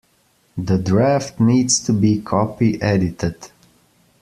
The draft needs to be copy edited